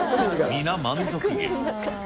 皆、満足げ。